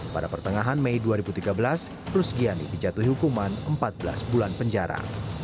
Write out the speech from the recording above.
pada pertengahan mei dua ribu tiga belas rus gianni dijatuhi hukuman empat belas bulan penjara